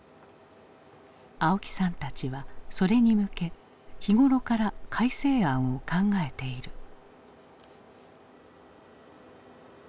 青木さんたちはそれに向け日頃から改正案を考えている。